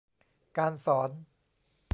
การสอน